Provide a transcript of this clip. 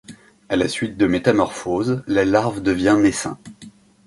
À la suite de métamorphoses, la larve devient naissain.